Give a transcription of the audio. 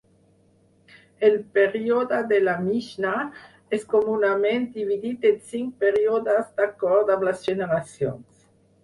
El període de la Mixnà és comunament dividit en cinc períodes d'acord amb les generacions.